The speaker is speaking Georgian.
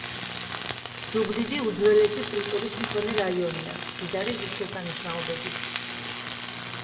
ზუგდიდი უძველესი კულტურის მქონე რაიონია და მდიდარია ღირსშესანიშნაობებით